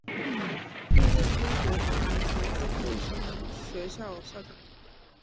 历任中国工农红军卫生学校校长。